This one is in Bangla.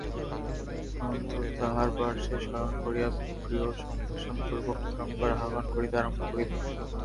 অনন্তর তাহার পার্শ্বে শয়ন করিয়া প্রিয়সম্ভাষণপূর্বক বারংবার আহ্বান করিতে আরম্ভ করিল।